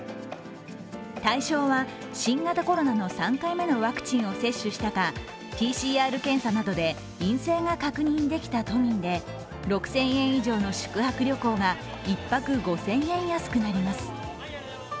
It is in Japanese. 対象は新型コロナの３回目のワクチンを接種したかＰＣＲ検査などで陰性が確認できた都民で６０００円以上の宿泊旅行が１泊５０００円安くなります。